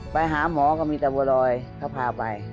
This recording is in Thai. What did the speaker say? ไปหาหมอก็มีแต่บัวรอยเขาพาไป